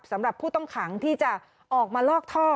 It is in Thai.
สำหรับผู้ต้องขังที่จะออกมาลอกท่อ